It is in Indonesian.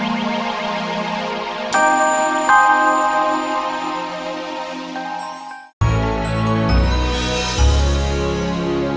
ya ini siapa sih